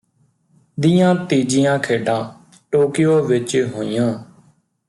ਦੀਆਂ ਤੀਜੀਆਂ ਖੇਡਾਂ ਟੋਕੀਓ ਵਿਚ ਹੋਈਆਂ